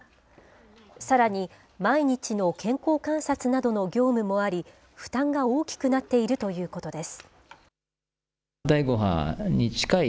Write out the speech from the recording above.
さらに、毎日の健康観察などの業務もあり、負担が大きくなっているということです。